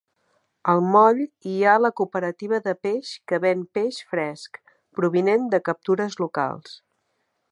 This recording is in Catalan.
Al moll hi ha la cooperativa de peix que ven peix fresc provinent de captures locals.